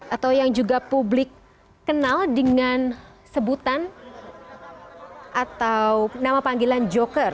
atau yang juga publik kenal dengan sebutan atau nama panggilan joker